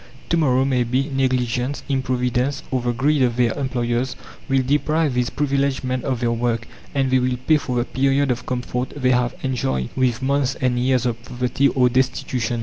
To morrow, maybe, negligence, improvidence, or the greed of their employers, will deprive these privileged men of their work, and they will pay for the period of comfort they have enjoyed with months and years of poverty or destitution.